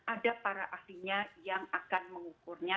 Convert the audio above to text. ada para ahlinya yang akan mengukurnya